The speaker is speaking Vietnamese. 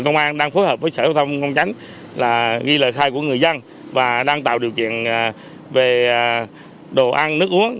công an đang phối hợp với sở hữu thông phong chánh là ghi lời khai của người dân và đang tạo điều kiện về đồ ăn nước uống